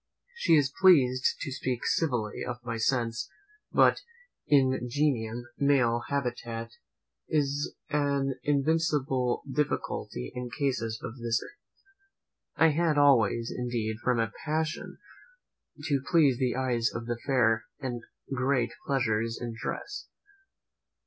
She is pleased to speak civilly of my sense, but Ingenium male habitat is an invincible difficulty in cases of this nature. I had always, indeed, from a passion to please the eyes of the fair, a great pleasure in dress.